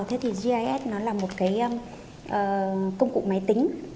thế thì gis là một công cụ máy tính